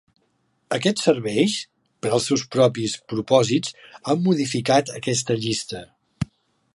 Aquests serveis, per als seus propis propòsits, han modificat aquesta llista.